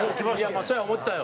まあそうや思ったよ。